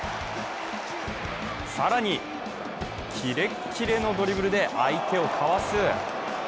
更に、キレッキレのドリブルで相手をかわす。